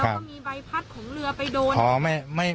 ก็มีใบพัดของเรือไปโดน